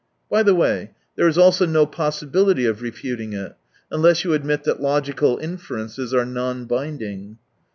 By the way, there is also no possibility of refuting it, unless you admit that logical inferences are non binding.